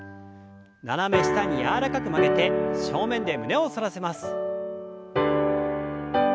斜め下に柔らかく曲げて正面で胸を反らせます。